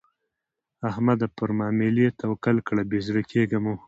احمده؛ پر ماملې توکل کړه؛ بې زړه کېږه مه.